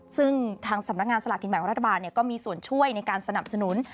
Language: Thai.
ซึ่งทางสำนักงานสลากกินแบ่งรัฐบาลก็มีส่วนช่วยในการสนับสนุน